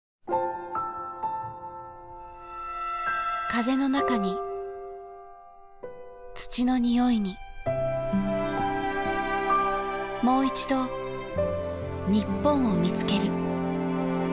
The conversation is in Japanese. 風の中に土の匂いにもういちど日本を見つける。